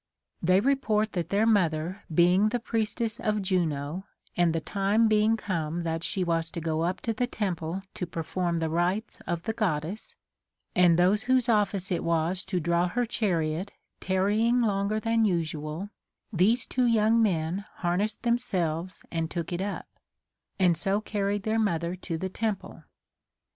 They report that their mother being the priestess of Juno, and the time being come that she was to go up to the temple to perform the rites of the Goddess, and those whose office it was to draΛV her chariot tarrying longer than usual, these two young men harnessed themselves and took it up, and so carried their mother to the temple.